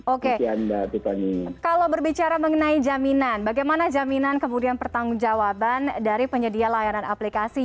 oke mbak tiffany kalau berbicara mengenai jaminan bagaimana jaminan kemudian pertanggung jawaban dari penyedia layanan aplikasi